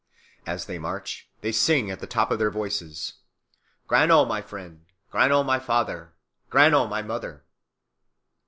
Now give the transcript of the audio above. As they march they sing at the top of their voices, "Granno my friend, Granno my father, Granno my mother."